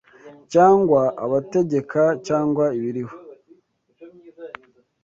cyangwa abategeka cyangwa ibiriho